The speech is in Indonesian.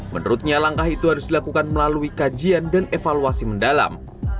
menurutnya langkah itu harus dilakukan melalui kajian dan evaluasi mendalam